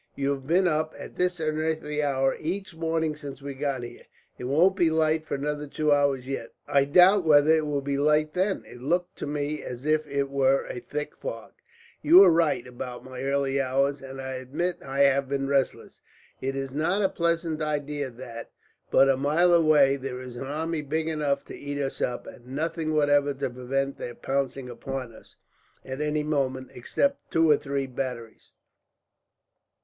You have been up, at this unearthly hour, each morning since we got here. It won't be light for another two hours yet. I doubt whether it will be light then. It looks to me as if it were a thick fog." "You are right about my early hours, and I admit I have been restless. It is not a pleasant idea that, but a mile away, there is an army big enough to eat us up; and nothing whatever to prevent their pouncing upon us, at any moment, except two or three batteries.